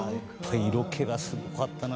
色気がすごかったな。